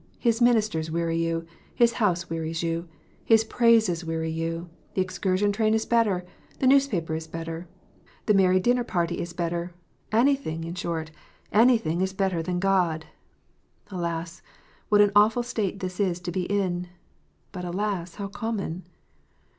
His ministers weary you ! His house wearies you ! His praises weary you ! The excursion train is better ! The newspaper is better ! The merry dinner party is better ! Anything, in short, anything is better than God ! Alas, what an awful state this is to be in ! But, alas, how common